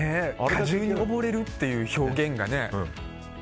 果汁に溺れるっていう表現が。